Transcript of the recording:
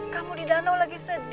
kamu di danau lagi sedih